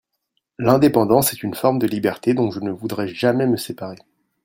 L'indépendance est une forme de liberté dont je ne voudrais jamais me séparer.